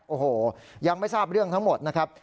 โอ้โหยังไม่ทราบเรื่องทั้งหมดนะครับ